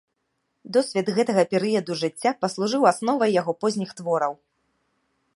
Досвед гэтага перыяду жыцця паслужыў асновай яго позніх твораў.